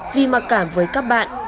vì mặc cảm với các bạn